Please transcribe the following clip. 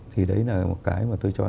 thì đấy là một cái mà tôi chọn